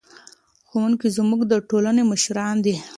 ښوونکي زموږ د ټولنې مشران دي.